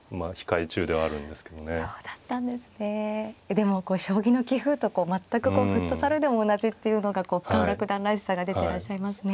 でも将棋の棋風と全くこうフットサルでも同じっていうのがこう深浦九段らしさが出てらっしゃいますね。